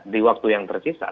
di waktu yang tercisat